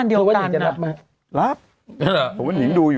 รับ